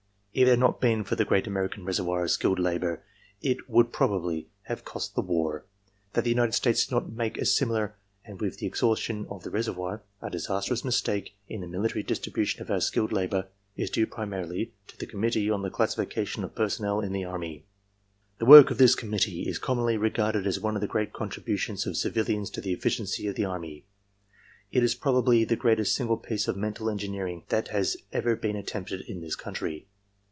If it had not been for the great ' American reservoir of skilled labor it would probably have cost the war. That the United States did not make a similar, and with the exhaustion of the reservoir, a disastrous mistake in /the military distribution of our skilled labor is due primarily .'to the Committee on the Classification of Personnel in the . Army. "The work of this committee is commonly regarded as one of the great contributions of civilians to the efficiency of the Army. It is probably the greatest single piece of mental en gineering that has ever been attempted in this country.